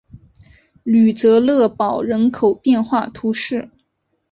吕泽勒堡人口变化图示